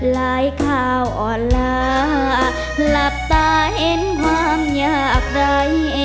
ลายข่าวอ่อนล่ะหลับตาเห็นความยากเลย